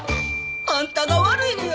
あんたが悪いのや。